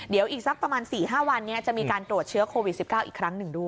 เดี๋ยวอีกสักประมาณ๔๕วันนี้จะมีการตรวจเชื้อโควิด๑๙อีกครั้งหนึ่งด้วย